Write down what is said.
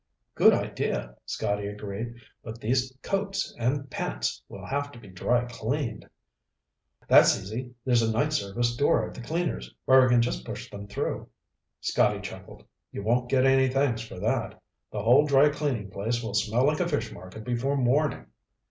"Good idea," Scotty agreed. "But these coats and pants will have to be dry cleaned." "That's easy. There's a night service door at the cleaners where we can just push them through." Scotty chuckled. "You won't get any thanks for that. The whole dry cleaning place will smell like a fish market before morning."